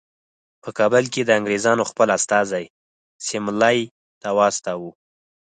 په کابل کې د انګریزانو خپل استازی سیملې ته واستاوه.